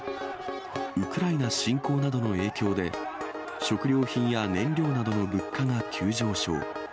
ウクライナ侵攻などの影響で、食料品や燃料などの物価が急上昇。